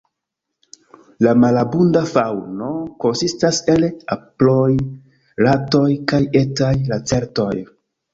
La malabunda faŭno konsistas el aproj, ratoj kaj etaj lacertoj.